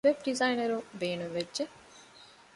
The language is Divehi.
ވެބް ޑިޒައިނަރުން ބޭނުންވެއްޖެ